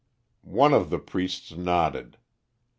"One of the priests nodded.